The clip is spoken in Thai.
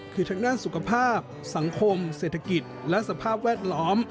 คือทั้งด้านสุขภาพสังคมเศรษฐกิจและสภาพแวดล้อม